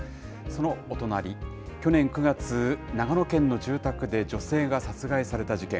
そのお隣、去年９月、長野県の住宅で女性が殺害された事件。